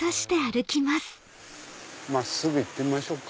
真っすぐ行ってみましょうか。